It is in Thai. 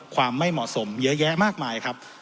ความไม่เหมาะสมเยอะแยะมากมายครับ